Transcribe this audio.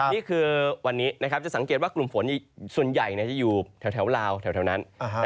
นี่คือวันนี้นะครับจะสังเกตว่ากลุ่มฝนส่วนใหญ่จะอยู่แถวลาวแถวนั้น